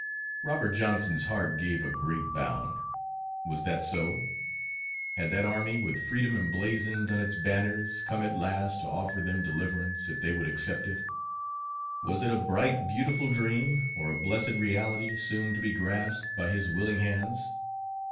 Robert Johnson's heart gave a great bound. Was that so? Had that army, with freedom emblazoned on its banners, come at last to offer them deliverance if they would accept it? Was it a bright, beautiful dream, or a blessed reality soon to be grasped by his willing hands?